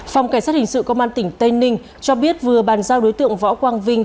phòng cảnh sát hình sự công an tỉnh tây ninh cho biết vừa bàn giao đối tượng võ quang vinh